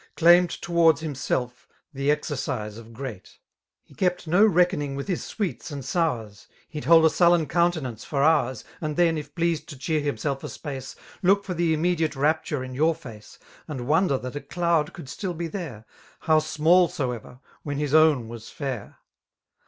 Claimed tow'rds himself the exercise of great. He kept no reckoning with his sweets and sours ;*« He'd hold a sullen countenance for hours> And then, if pleased to cheer himself a ^a^e^ Look for the immediate rapture in your feoe. 4A How small soey&r, wben his own w«b Hmr.